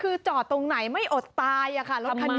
คือจอดตรงไหนไม่อดตายค่ะรถคันนี้